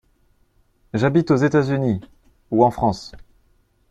J’habite aux États-Unis ou en France.